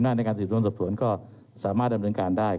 เรามีการปิดบันทึกจับกลุ่มเขาหรือหลังเกิดเหตุแล้วเนี่ย